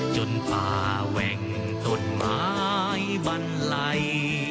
ป่าแหว่งต้นไม้บันไล